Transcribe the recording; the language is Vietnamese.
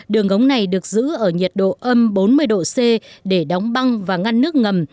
đường ống này được giữ ở nhiệt độ âm bốn mươi độ c để đóng băng và ngăn nước ngầm